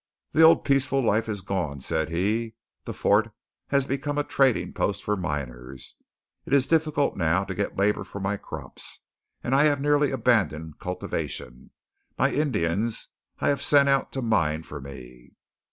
"The old peaceful life is gone," said he. "The fort has become a trading post for miners. It is difficult now to get labour for my crops, and I have nearly abandoned cultivation. My Indians I have sent out to mine for me."